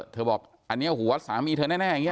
บอกอันนี้หัวสามีเธอแน่อย่างนี้